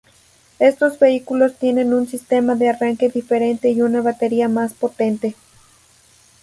Estos vehículos tienen un sistema de arranque diferente y una batería más potente.